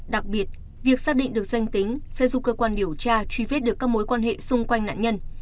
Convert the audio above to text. đặc biệt việc xác định được danh tính sẽ giúp cơ quan điều tra truy vết được các mối quan hệ xung quanh nạn nhân